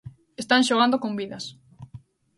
Están xogando con vidas.